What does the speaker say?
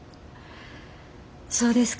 そうですか。